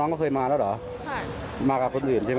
อ๋อน้องก็เคยมาแล้วหรอมากับคนอื่นใช่ไหม